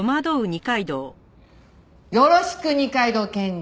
よろしく二階堂検事。